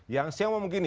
yang saya mau begini